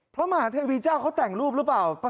พระมหาเทวีเจ้าเขาแต่งรูปหรือเปล่า